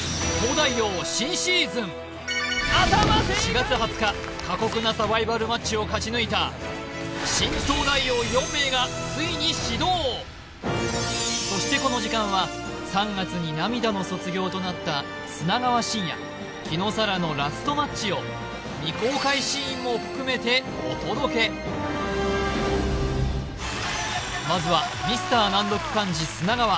４月２０日過酷なサバイバルマッチを勝ち抜いた新東大王４名がついに始動そしてこの時間は３月に涙の卒業となった砂川信哉紀野紗良のラストマッチを未公開シーンも含めてお届けまずはミスター難読漢字砂川